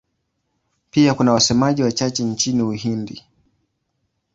Pia kuna wasemaji wachache nchini Uhindi.